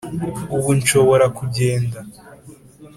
ubu nshobora kugenda